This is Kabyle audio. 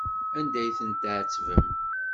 Anda ay ten-tɛettbem?